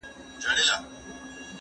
کېدای سي ميوې تياره وي